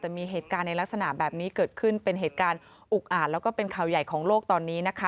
แต่มีเหตุการณ์ในลักษณะแบบนี้เกิดขึ้นเป็นเหตุการณ์อุกอ่านแล้วก็เป็นข่าวใหญ่ของโลกตอนนี้นะคะ